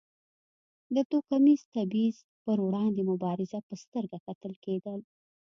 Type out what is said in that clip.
د توکمیز تبیض پر وړاندې مبارز په سترګه کتل کېدل.